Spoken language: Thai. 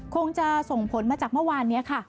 คงจะส่งผลมาจากเมื่อวานนี้ค่ะ